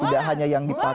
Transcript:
tidak hanya yang dipakai